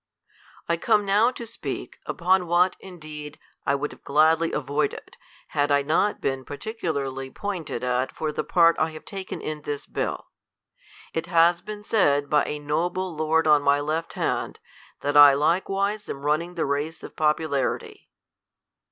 I come now to speak, upon what, indeed, I would have gladly avoided, had I not been particularly point ed at for the part I have taken in this bill. It has been said by a noble lord on my left hand, that I like wise am running the race of popularity.